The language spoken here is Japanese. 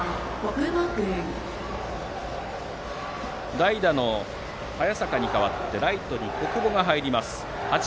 代打の早坂に代わってライトに小久保が入ります。